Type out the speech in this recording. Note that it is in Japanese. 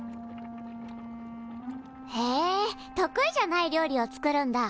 へえ得意じゃない料理を作るんだ。